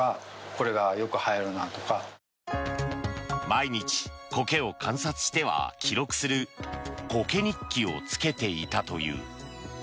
毎日コケを観察しては記録するコケ日記をつけていたという。